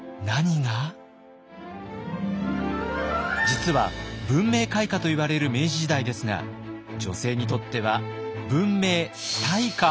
実は文明開化といわれる明治時代ですが女性にとっては文明退化？